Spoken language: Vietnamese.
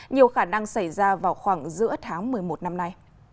nhiều khả năng xảy ra vào khoảng giữa tháng một mươi một năm nay